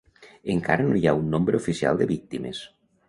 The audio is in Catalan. Encara no hi ha un nombre oficial de víctimes